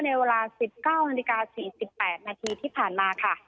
ในเวลา๑๙นาฬิกา๔๘นาทีที่ผ่านมาค่ะ